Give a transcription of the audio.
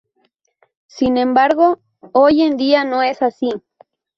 Sin embargo, hoy en día no es así.